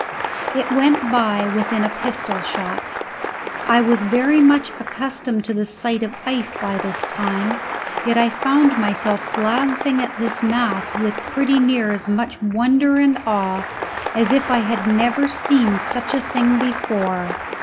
It went by within a pistol shot. I was very much accustomed to the sight of ice by this time, yet I found myself glancing at this mass with pretty near as much wonder and awe as if I had never seen such a thing before.